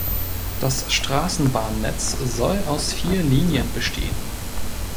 Das Straßenbahnnetz soll aus vier Linien bestehen.